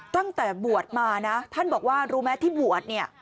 ตั้งแต่บวชมานะท่านบอกว่ารู้ไหมที่บวชเนี่ย